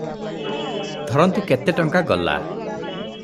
ଧରନ୍ତୁ କେତେ ଟଙ୍କା ଗଲା ।